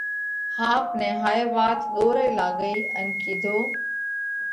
ۿاپ نئہ هائي وات ۮورئي لاڳئِي ان ڪِيڌو: